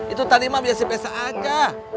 itu tadi mah biasa biasa aja